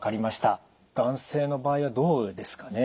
男性の場合はどうですかね？